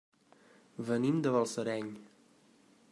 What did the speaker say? Venim de Balsareny.